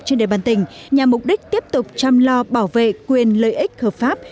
trên địa bàn tỉnh nhằm mục đích tiếp tục chăm lo bảo vệ quyền lợi ích hợp pháp